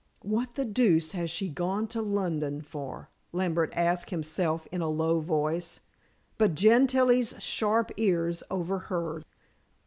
"What the deuce has she gone to London for?" Lambert asked himself in a low voice, but Gentilla's sharp ears overheard.